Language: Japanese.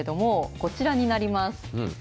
こちらになります。